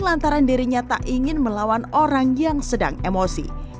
lantaran dirinya tak ingin melawan orang yang sedang emosi